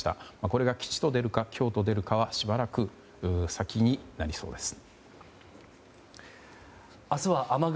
これが吉と出るか凶と出るかはしばらく先になりそうです。